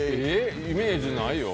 イメージないよ。